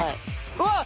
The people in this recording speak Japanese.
うわっ！